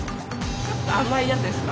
ちょっと甘いやつですか？